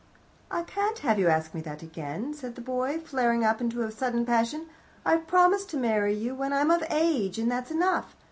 "I can't have you ask me that again," said the boy, flaring up into a sudden passion. "I've promised to marry you when I'm of age, and that's enough.